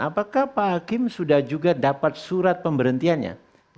apakah pak hakim sudah juga dapat surat pemberhentiannya